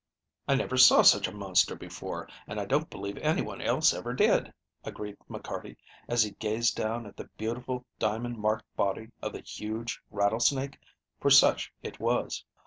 "I never saw such a monster before, and I don't believe anyone else ever did," agreed McCarty, as he gazed down at the beautiful, diamond marked body of the huge rattlesnake, for such it was.